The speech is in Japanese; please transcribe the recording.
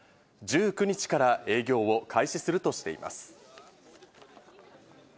１９日から営業を開始するとしています。